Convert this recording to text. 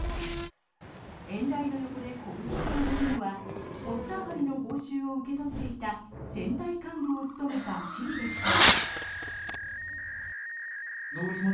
演台の横でこぶしを上げるのはポスター貼りの報酬を受け取っていた選対幹部を務めた市議でした。